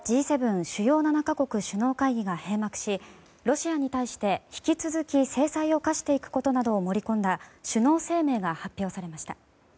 主要７か国会議が閉幕しロシアに対して引き続き制裁を科していくことなどを盛り込んだ首脳声明が発表されました。